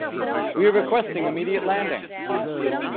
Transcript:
We are requesting immediate landing!